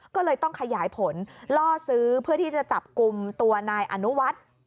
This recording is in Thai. ก็เลยต้องขยายผลล่อซื้อเพื่อที่จะจับกลุ่มตัวนายอนุวัฒน์